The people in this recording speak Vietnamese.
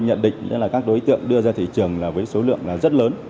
nhận định là các đối tượng đưa ra thị trường là với số lượng rất lớn